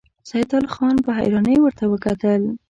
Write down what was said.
سيدال خان په حيرانۍ ورته وکتل.